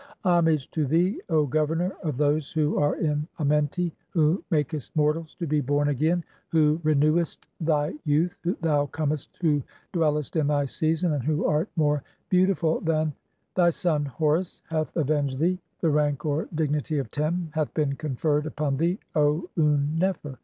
"Homage to thee, O Governor of those who are in Amenti, "(16) who makest mortals to be born again, who renewest thy "youth, thou comest who dwellest in thy season, and who art "more beautiful than , thy son Horus (17) hath avenged "thee ; the rank (or dignity) of Tern hath been conferred upon "thee, O Un nefer.